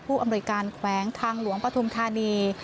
อำนวยการแขวงทางหลวงปฐุมธานี